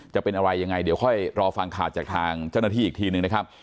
จะเป็นอะไรยังไงเดี๋ยวค่อยรอฟังข่าวจากทางเจ้าหน้าที่อีกทีหนึ่งนะครับ